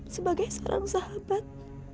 sebagai sarang sahabat